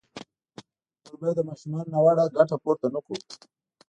موږ باید له ماشومانو ناوړه ګټه پورته نه کړو.